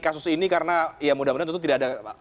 kasus ini karena ya mudah mudahan tentu tidak ada